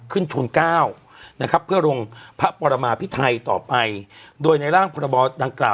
ทุนเก้านะครับเพื่อลงพระปรมาพิไทยต่อไปโดยในร่างพรบดังกล่าว